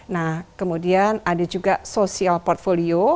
nah kemudian ada juga social portfolio